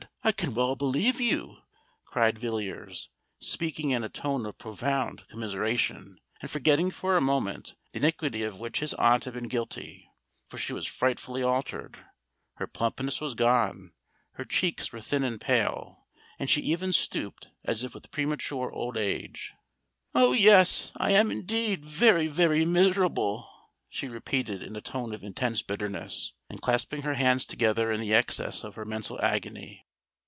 I can well believe you," cried Villiers, speaking in a tone of profound commiseration, and forgetting for a moment the iniquity of which his aunt had been guilty: for she was frightfully altered—her plumpness was gone—her cheeks were thin and pale—and she even stooped, as if with premature old age. "Oh! yes—I am indeed very, very miserable," she repeated, in a tone of intense bitterness, and clasping her hands together in the excess of her mental agony.